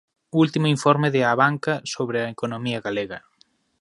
Último informe de Abanca sobre a economía galega.